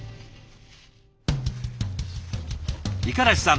五十嵐さん